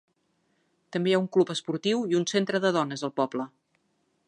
També hi ha un club esportiu i un centre de dones al poble.